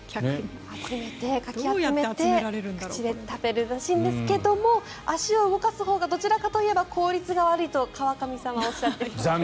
集めて食べるらしいんですが足を動かすほうがどちらかといえば効率が悪いと川上さんはおっしゃっています。